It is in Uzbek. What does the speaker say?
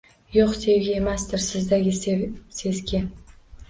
Yo’q, sevgi emasdir sizdagi sezgi